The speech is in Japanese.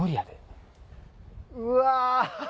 うわ！